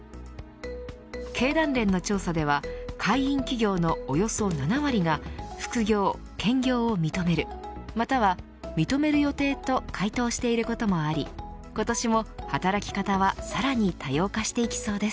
経団連の調査では会員企業のおよそ７割が副業、兼業を認めるまたは認める予定と回答していることもあり、今年も働き方はさらに多様化していきそうです。